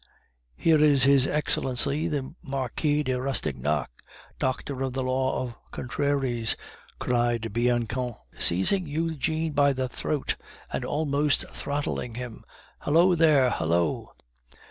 "Here is his Excellency the Marquis de Rastignac, Doctor of the Law of Contraries," cried Bianchon, seizing Eugene by the throat, and almost throttling him. "Hallo there! hallo!"